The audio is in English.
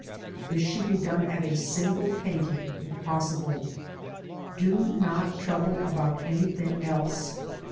This should be done at a single painting if possible. Do not trouble about anything else.